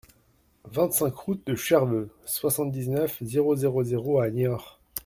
vingt-cinq route de Cherveux, soixante-dix-neuf, zéro zéro zéro à Niort